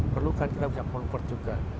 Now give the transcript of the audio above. perlu kan kita bisa monuver juga